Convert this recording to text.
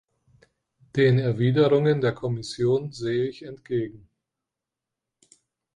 Den Erwiderungen der Kommission sehe ich entgegen.